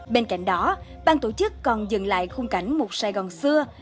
bên cạnh đó bang tổ chức còn dừng lại khung cảnh một sài gòn xưa